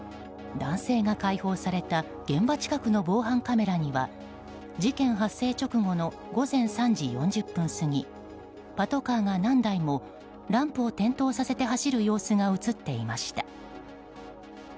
男性が解放された現場近くの防犯カメラには事件発生直後の午前３時４０分過ぎパトカーが何台もランプを点灯させて走る様子が映っていました。